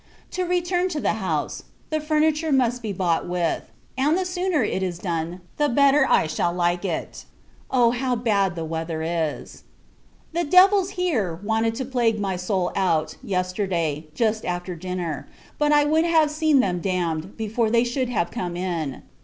To return to the house The furniture must be bought with it; and the sooner it is done, the better I shall like it. Oh! how bad the weather is! The devils, here, wanted to plague my soul out, yesterday, just after dinner; but I would have seen them damned, before they should have come in.